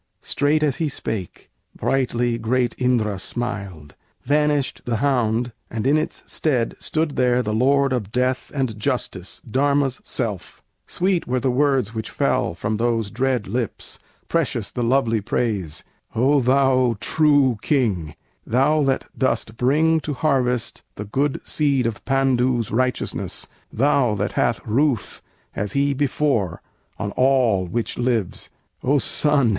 Straight as he spake, brightly great Indra smiled; Vanished the hound, and in its stead stood there The Lord of Death and Justice, Dharma's self! Sweet were the words which fell from those dread lips, Precious the lovely praise: "O thou true King, Thou that dost bring to harvest the good seed Of Pandu's righteousness; thou that hast ruth As he before, on all which lives! O son!